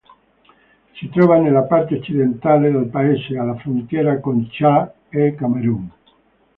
Si trova nella parte occidentale del paese, alla frontiera con Ciad e Camerun.